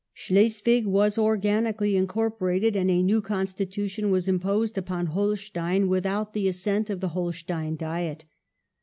Schleswig was organically incorporated, and a new Constitution was imposed upon Holstein without the assent of the Holstein Diet.